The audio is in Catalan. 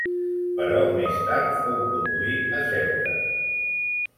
Però més tard fou conduït a Ceuta.